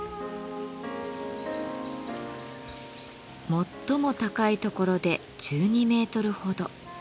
最も高いところで１２メートルほど。